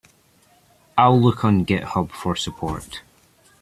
I'll look on Github for support.